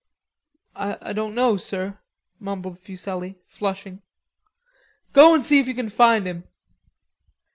"I don't know, sir," mumbled Fuselli, flushing. "Go and see if you can find him."